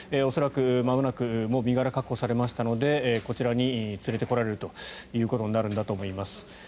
恐らく、まもなく身柄が確保されましたのでこちらに連れてこられるということになるんだと思います。